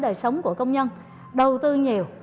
đời sống của công nhân đầu tư nhiều